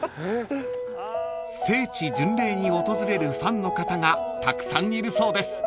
［聖地巡礼に訪れるファンの方がたくさんいるそうです］